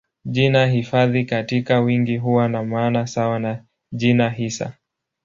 Jina hifadhi katika wingi huwa na maana sawa na jina hisa.